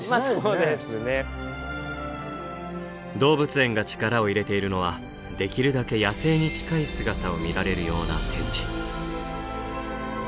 動物園が力を入れているのはできるだけ野生に近い姿を見られるような展示。